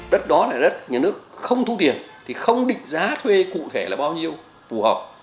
đất đó là đất nhà nước không thu tiền thì không định giá thuê cụ thể là bao nhiêu phù hợp